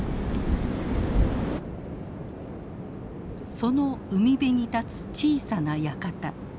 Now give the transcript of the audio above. その海辺に立つ小さな館。